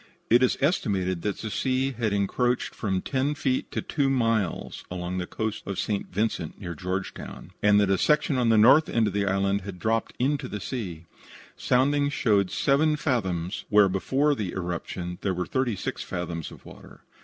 It is estimated that the sea had encroached from ten feet to two miles along the coast of St. Vincent near Georgetown, and that a section on the north of the island had dropped into the sea. Soundings showed seven fathoms where before the eruption there were thirty six fathoms of water.